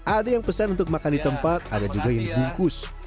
ada yang pesan untuk makan di tempat ada juga yang dibungkus